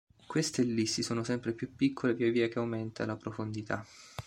Queste ellissi sono sempre più piccole via via che aumenta la profondità.